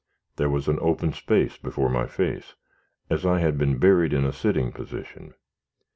There was an open space before my face, as I had been buried in the sitting position.